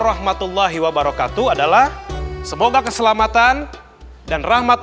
rahmatullah warahmatullah wabarakatuh adalah semoga keselamatan dan rahmat